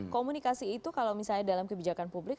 komunikasi itu kalau misalnya dalam kebijakan publik